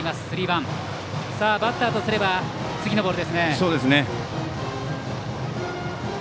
バッターとすれば次のボール。